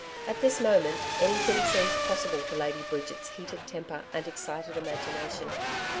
At this moment, anything seemed possible to Lady Bridget's heated temper and excited imagination.